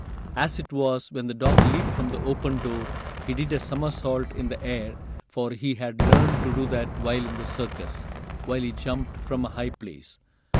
As it was, when the dog leaped from the open door, he did a somersault in the air, for he had learned to do that while in the circus, when he jumped from a high place.